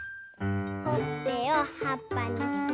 ほっぺをはっぱにして。